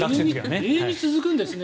永遠に続くんですね